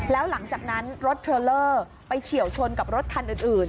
แล้วหลังจากนั้นรถเทรลเลอร์ไปเฉียวชนกับรถคันอื่น